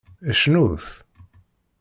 Cnut!